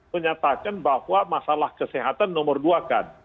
menyatakan bahwa masalah kesehatan nomor dua kan